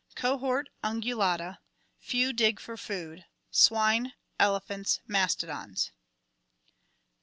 Cohort Ungulata. Few dig for food: swine, elephants, mastodons.